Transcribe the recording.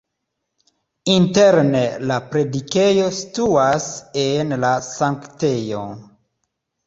Interne la predikejo situas en la sanktejo.